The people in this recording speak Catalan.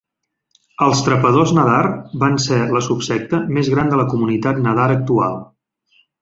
Els trepadors nadar van ser la subsecta més gran de la comunitat nadar actual.